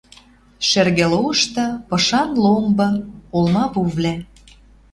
Шӹргӹ лошты пышан ломбы, олмавувлӓ